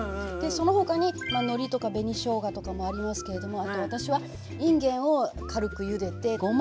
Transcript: その他にのりとか紅しょうがとかもありますけれどもあと私はいんげんを軽くゆでてごまをパラパラッとのっけて。